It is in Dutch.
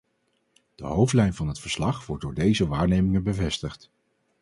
De hoofdlijn van het verslag wordt door deze waarnemingen bevestigd.